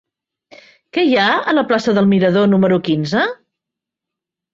Què hi ha a la plaça del Mirador número quinze?